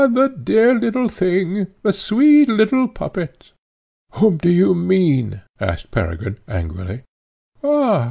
the dear little thing! the sweet little puppet!" "Whom do you mean?" asked Peregrine angrily. "Ah!"